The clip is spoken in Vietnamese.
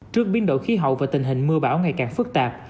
trước biến đổi khí hậu và tình hình mưa bão ngày càng phức tạp